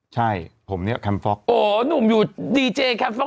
ใช่ผมเนี่ยแคมเพราคโอ้โธ่หนุ่มอยู่ดีเจคลัมเฟอร์ง